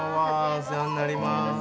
お世話になります。